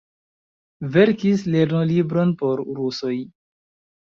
Verkis lernolibron por rusoj.